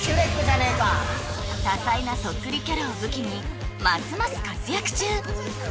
多彩なそっくりキャラを武器にますます活躍中！